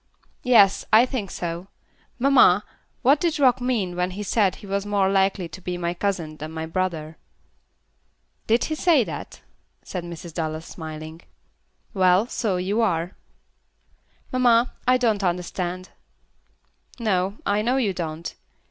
"Yes, I think so. Mamma, what did Rock mean when he said he was more likely to be my cousin than my brother?" "Did he say that?" said Mrs. Dallas, smiling. "Well, so you are." "Mamma, I don't understand." "No. I know you don't.